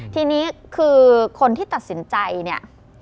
ทีนี้คือคนที่ตัดสินใจเนี่ย